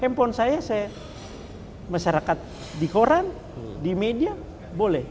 handphone saya saya masyarakat di koran di media boleh